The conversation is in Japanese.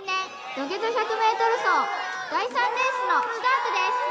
土下座１００ｍ走第３レースのスタートです